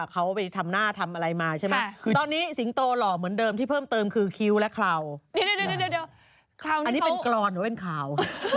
เขาเอาไปทำหน้าทำอะไรมาใช่ไหมคือตอนนี้สิงโตหล่อเหมือนเดิมที่เพิ่มเติมคือคิ้วและคลาว